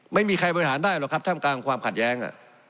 ไม่มีใครบริหารได้หรอกครับท่ามกลางความขัดแย้ง